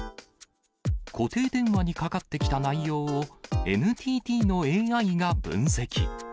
固定電話にかかってきた内容をＮＴＴのＡＩが分析。